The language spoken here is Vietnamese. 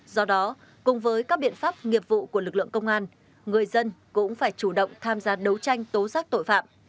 do đó cùng với các biện pháp nghiệp vụ của lực lượng công an người dân cũng phải chủ động tham gia đấu tranh tố giác tội phạm